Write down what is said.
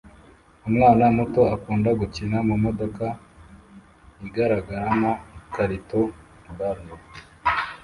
Umwana muto akunda gukina mumodoka igaragaramo igikarito "Barney"